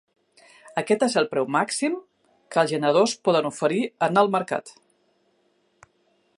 Aquest és el preu màxim que els generadors poden oferir en el mercat.